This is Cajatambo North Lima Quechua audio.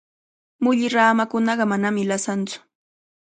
Mulli ramakunaqa manami lasantsu.